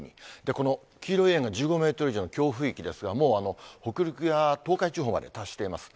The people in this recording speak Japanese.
この黄色い円の１５メートル以上の強風域ですが、もう北陸や東海地方まで達しています。